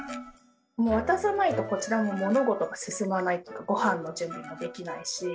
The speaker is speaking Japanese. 渡さないとこちらも物事が進まないごはんの準備もできないし。